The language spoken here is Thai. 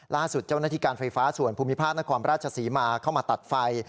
ล่าสุดเจ้าหน้าที่การไฟฟ้าส่วนภูมิภาคนครราชศรีมาเข้ามาตัดไฟ